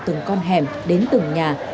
từng con hẻm đến từng nhà